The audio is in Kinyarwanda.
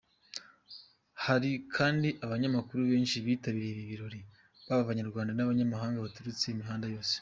Hari kandi abanyamakuru benshi bitabiriye ibi birori, baba Abanyarwanda n’abanyamahanga baturutse imihanda yose.